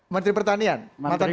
menteri pertanian mantan gubernur